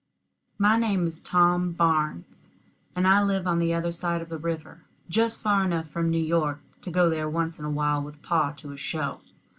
My name is Tom Barnes, and I live on the other side of the river, just far enough from New York to go there once in a while with pa to a show.